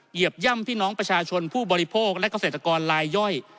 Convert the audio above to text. เหยีย่ำพี่น้องประชาชนผู้บริโภคและเกษตรกรลายย่อย